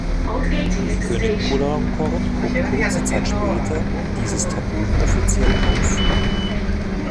König Chulalongkorn hob kurze Zeit später dieses Tabu offiziell auf.